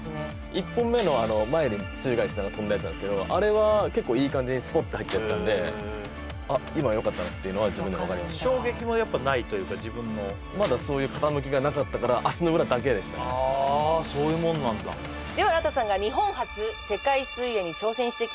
１本目のあの前に宙返りしながら飛んだやつなんですけどあれは結構いい感じにスポって入ってったんであっ今よかったなっていうのは自分でも分かりました衝撃もやっぱないというか自分もまだそういう傾きがなかったから足の裏だけでしたねはあそういうもんなんだでは荒田さんが日本初世界水泳に挑戦してきました